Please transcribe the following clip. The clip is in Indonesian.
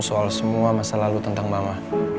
soal semua masalah lu tentang mama